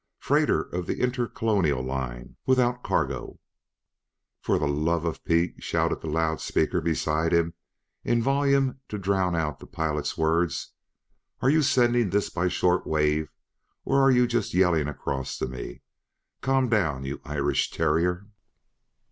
"Freighter of the Intercolonial Line, without cargo " "For the love of Pete," shouted the loudspeaker beside him in volume to drown out the pilot's words, "are you sending this by short wave, or are you just yelling across to me? Calm down, you Irish terrier!"